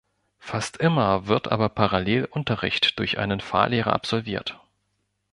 Fast immer wird aber parallel Unterricht durch einen Fahrlehrer absolviert.